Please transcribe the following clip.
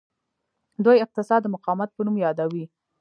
دوی اقتصاد د مقاومت په نوم یادوي.